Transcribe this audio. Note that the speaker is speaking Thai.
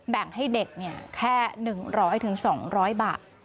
แบ่งให้เด็กแค่๑๐๐๒๐๐บาท